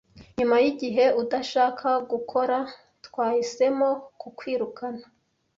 Nyuma yigihe udashaka gukora twahisemo kukwirukana,